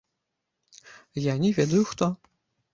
Я не ведаю хто.